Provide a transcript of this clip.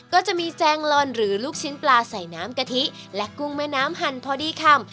ก็จะมีแจงลอนหรือลูกชิ้นปลาใส่น้ำกะทิและกุ้งแม่น้ำหั่นพอดีคำ